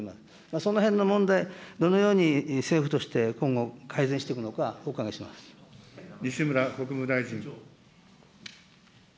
そのへんの問題、どのように政府として今後、改善していくのか、西村国務大臣。